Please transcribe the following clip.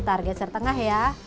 tarik sertengah ya